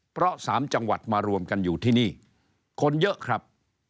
เพราะสามจังหวัดมารวมกันอยู่ที่นี่คนเยอะครับ